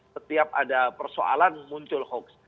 setiap ada persoalan muncul hoax